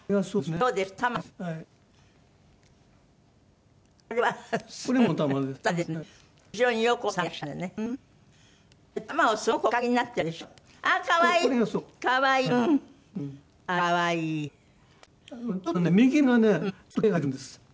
そうですね。